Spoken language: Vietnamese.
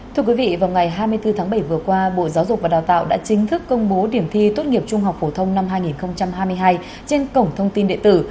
thưa quý vị vào ngày hai mươi bốn tháng bảy vừa qua bộ giáo dục và đào tạo đã chính thức công bố điểm thi tốt nghiệp trung học phổ thông năm hai nghìn hai mươi hai trên cổng thông tin địa tử